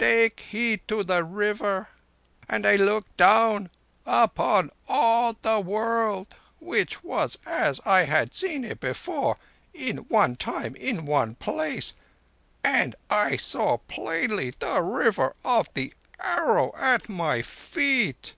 Take heed to the River!' and I looked down upon all the world, which was as I had seen it before—one in time, one in place—and I saw plainly the River of the Arrow at my feet.